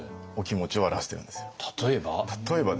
例えば？